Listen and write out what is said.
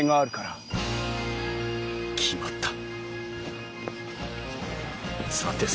決まった。